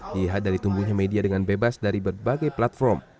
dihadari tumbuhnya media dengan bebas dari berbagai platform